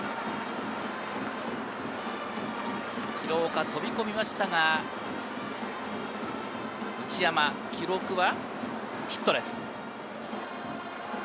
廣岡、飛び込みましたが、内山、記録はヒットです。